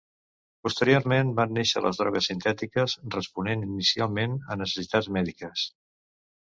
Posteriorment, van néixer les drogues sintètiques responent inicialment a necessitats mèdiques.